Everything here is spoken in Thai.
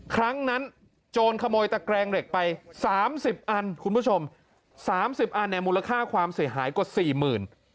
ครั้งนั้นโจรขโมยตะแกรงเหล็กไป๓๐อันคุณผู้ชมสามสิบอันเนี่ยมูลค่าความเสียหายกว่าสี่หมื่น